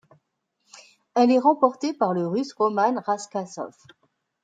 Elle est remportée par le Russe Roman Rasskazov.